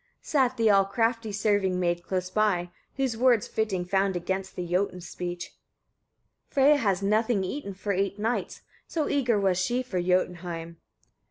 27. Sat the all crafty serving maid close by, who words fitting found against the Jotun's speech: "Freyia has nothing eaten for eight nights, so eager was she for Jotunheim."